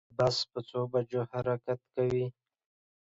بس په څو بجو حرکت کوی